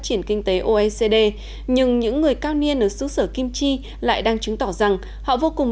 triển kinh tế oecd nhưng những người cao niên ở xứ sở kim chi lại đang chứng tỏ rằng họ vô cùng